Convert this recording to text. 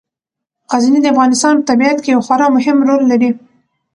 غزني د افغانستان په طبیعت کې یو خورا مهم رول لري.